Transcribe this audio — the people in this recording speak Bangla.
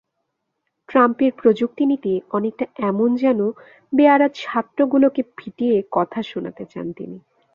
ট্রাম্পের প্রযুক্তি নীতি অনেকটা এমন যেন বেয়াড়া ছাত্রগুলোকে পিটিয়ে কথা শোনাতে চান তিনি।